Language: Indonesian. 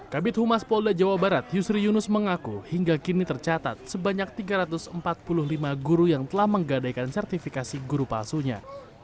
kabit humas polda jawa barat yusri yunus mengaku hingga kini tercatat sebanyak tiga ratus empat puluh lima guru yang telah menggadaikan sertifikasi guru palsunya